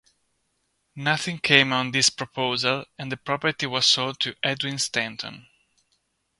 Nothing came of this proposal, and the property was sold to Edwin Stanton.